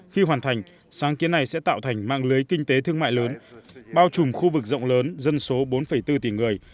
khi hoàn thành sáng kiến này sẽ tạo thành mạng lưới kinh tế thương mại lớn bao trùm khu vực rộng lớn dân số bốn bốn tỷ người